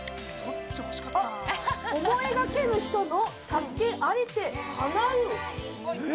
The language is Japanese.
思いがけぬ人の助けありてかなう。